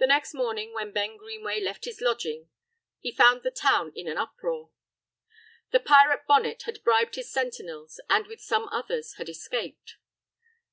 The next morning, when Ben Greenway left his lodging he found the town in an uproar. The pirate Bonnet had bribed his sentinels and, with some others, had escaped.